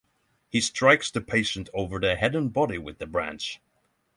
He strikes the patient over the head and body with the branch.